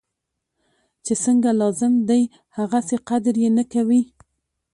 چی څنګه لازم دی هغسې قدر یې نه کوي.